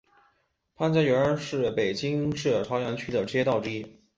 潘家园是北京市朝阳区的街道之一。